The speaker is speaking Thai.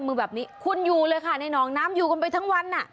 มือแบบนี้คุณอยู่เลยค่ะในหนองน้ำอยู่กันไปทั้งวัน